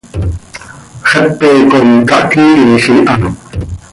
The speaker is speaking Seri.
Xepe com cahcniiix iha.